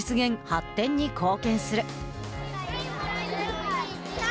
発展に貢献する。